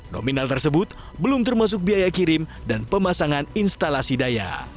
nominal tersebut belum termasuk biaya kirim dan pemasangan instalasi daya